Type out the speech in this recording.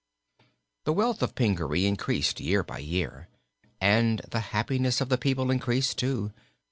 The wealth of Pingaree increased year by year; and the happiness of the people increased, too.